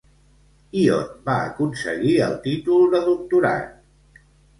I on va aconseguir el títol de doctorat?